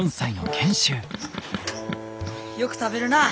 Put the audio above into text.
よく食べるなあ。